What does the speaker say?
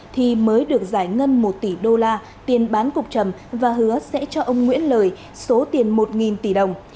thì mới được giải ngân một tỷ usd tiền bán cục trầm và hứa sẽ cho ông nguyễn lời số tiền một tỷ đồng